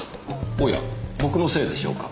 おや僕のせいでしょうか。